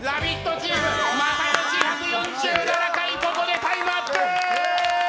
チーム、又吉１４７回、ここでタイムアップ！